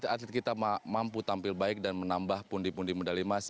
atlet kita mampu tampil baik dan menambah pundi pundi medali emas